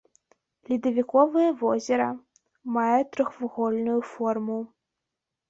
Ледавіковае возера, мае трохвугольную форму.